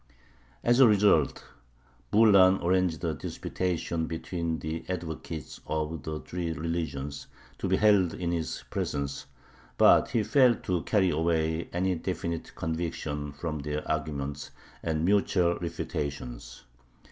As a result, Bulan arranged a disputation between the advocates of the three religions, to be held in his presence, but he failed to carry away any definite conviction from their arguments and mutual refutations.